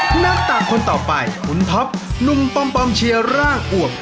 หน้าต่างคนต่อไปคุณท็อปหนุ่มปอมเชียร์ร่างอวบ